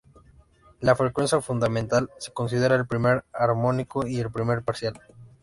La frecuencia fundamental se considera el "primer armónico" y el "primer parcial".